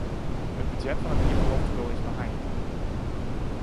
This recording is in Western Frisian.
It budzjet fan it iepenloftspul is beheind.